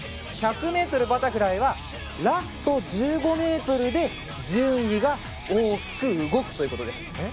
１００ｍバタフライはラスト１５ｍで順位が大きく動くということです。